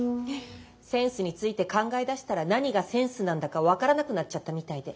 センスについて考えだしたら何がセンスなんだか分からなくなっちゃったみたいで。